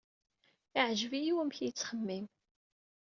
Yeɛjeb-iyi wamek ay yettxemmim.